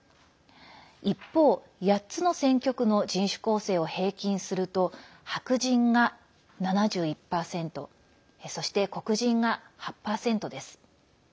一方、８つの選挙区の人種構成を平均すると白人が７１％そして黒人が８％です。